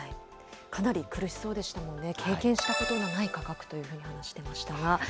かなり苦しそうでしたもんね、経験したことがない価格というふうに話していましたが。